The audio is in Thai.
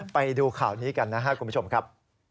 ไปดูข่าวนี้กันนะครับคุณผู้ชมครับ